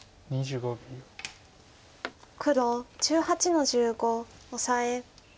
黒１８の十五オサエ。